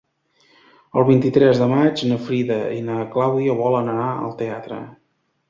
El vint-i-tres de maig na Frida i na Clàudia volen anar al teatre.